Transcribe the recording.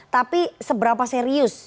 tapi seberapa serius